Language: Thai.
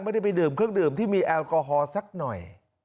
ไม่ได้ไปดื่มเครื่องดื่มที่มีแอลกอฮอล์สักหน่อย